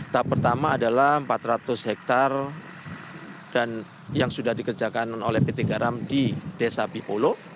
tahap pertama adalah empat ratus hektare dan yang sudah dikerjakan oleh pt garam di desa bipolo